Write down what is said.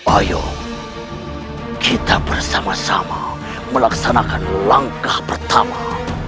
ayo kita bersama sama melaksanakan langkah pertama